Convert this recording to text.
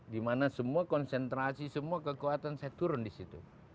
dimana semua konsentrasi semua kekuatan saya turun disitu